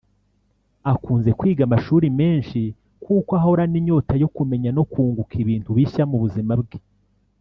Akunze kwiga amashuri menshi kuko ahorana inyota yo kumenya no kunguka ibintu bishya mu buzima bwe